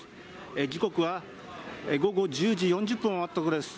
時刻は午後１０時４０分を回ったところです。